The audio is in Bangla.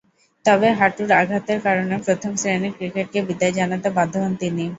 তবে, হাঁটুর আঘাতের কারণে প্রথম-শ্রেণীর ক্রিকেটকে বিদায় জানাতে বাধ্য হন তিনি।